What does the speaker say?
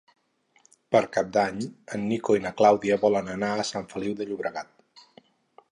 Per Cap d'Any en Nico i na Clàudia volen anar a Sant Feliu de Llobregat.